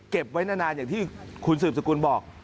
ไว้นานอย่างที่คุณสืบสกุลบอก